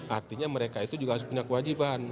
artinya mereka itu juga harus punya kewajiban